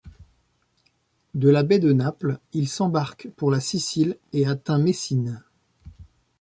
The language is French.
De la baie de Naples, il s'embarque pour la Sicile et atteint Messine.